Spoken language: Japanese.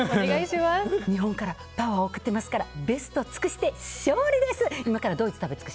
日本からパワーを送ってますからベストを尽くして勝利です！